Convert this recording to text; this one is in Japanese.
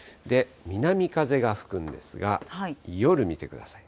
南風が吹くんですが、夜見てください。